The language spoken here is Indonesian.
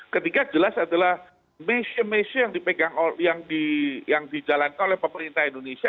ketiga jelas adalah masyarakat masyarakat yang dipegang yang dijalankan oleh pemerintah indonesia